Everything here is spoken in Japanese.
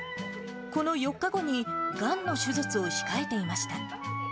この４日後にがんの手術を控えていました。